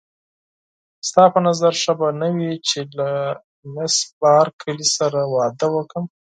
ستا په نظر ښه به نه وي چې له مېس بارکلي سره واده وکړم.